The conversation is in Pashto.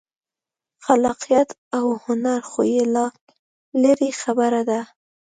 خلاقیت او هنر خو یې لا لرې خبره ده.